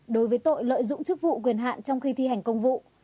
đối với tội lợi dụng chức vụ quyền hạn trong khi thi hành công vụ